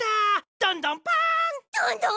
どんどんパン！